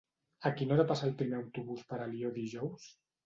A quina hora passa el primer autobús per Alió dijous?